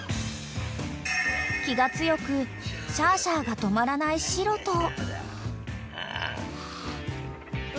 ［気が強くシャーシャーが止まらないシロと］